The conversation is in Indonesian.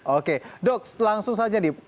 oke dok langsung saja di